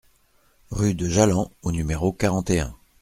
Rue de Jallans au numéro quarante et un